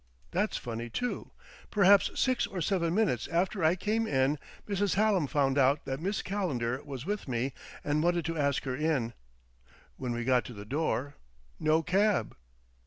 That's funny, too! Perhaps six or seven minutes after I came in Mrs. Hallam found out that Miss Calendar was with me and wanted to ask her in. When we got to the door no cab.